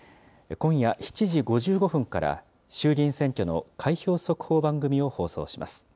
今夜７時５５分から、衆議院選挙の開票速報番組を放送します。